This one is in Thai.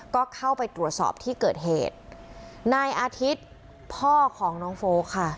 ก็เข้าไปตรวจสอบที่เกิดเหตุนายอาทิตย์พ่อของน้องโฟลกค่ะ